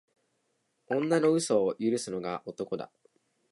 女の嘘は許すのが男だ